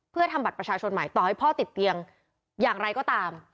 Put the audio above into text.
เพื่อทำบัตรประชาชนใหม่ต่อให้พ่อติดเตียงอย่างไรก็ตาม